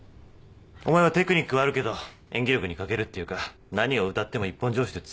お前はテクニックはあるけど演技力に欠けるっていうか何を歌っても一本調子でつまんないんだよ。